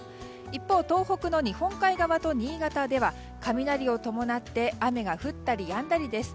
一方、東北の日本海側と新潟では雷を伴って雨が降ったりやんだりです。